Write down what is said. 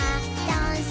ダンス！